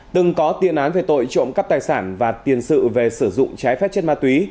từng có tiền án về tội trộm cắp tài sản và tiền sự về sử dụng trái phép chất ma túy